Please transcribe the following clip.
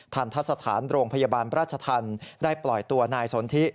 ทันทะสถานโรงพยาบาลราชธรรมได้ปล่อยตัวนายสนทิ